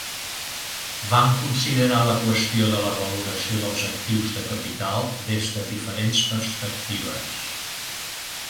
Van considerar la qüestió de la valoració dels actius de capital des de diferents perspectives.